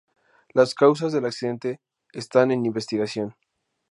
Las causas del accidente están en investigación.